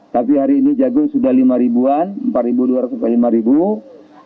tapi hari ini jagung sudah rp lima an rp empat dua ratus rp lima